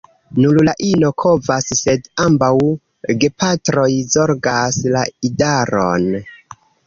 Nur la ino kovas, sed ambaŭ gepatroj zorgas la idaron.